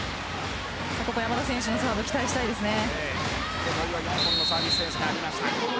山田選手のサーブ期待したいですね。